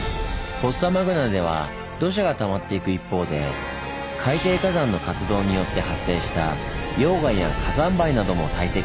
フォッサマグナでは土砂がたまっていく一方で海底火山の活動によって発生した溶岩や火山灰なども堆積しました。